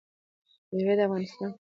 مېوې د افغانستان د طبیعت د ښکلا برخه ده.